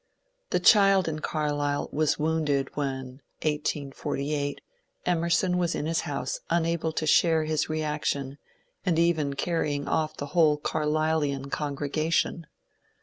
The child in Carlyle was wounded when (1848) Emerson was in his house unable to share his reaction and even carrying off the whole Carlylean congregation